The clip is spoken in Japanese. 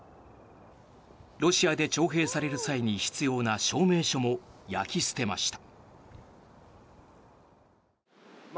ロシアで徴兵される際に必要な証明書も焼き捨てました。